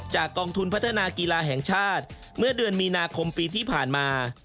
กองทุนพัฒนากีฬาแห่งชาติเมื่อเดือนมีนาคมปีที่ผ่านมา